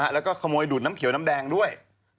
แล้วก็ขโมยดูดน้ำเขียวน้ำแดงด้วย